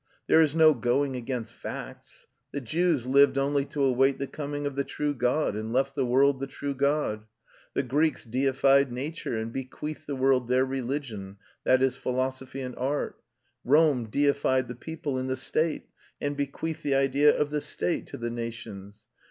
There is no going against facts. The Jews lived only to await the coming of the true God and left the world the true God. The Greeks deified nature and bequeathed the world their religion, that is, philosophy and art. Rome deified the people in the State, and bequeathed the idea of the State to the nations.